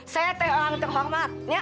saya orang terhormat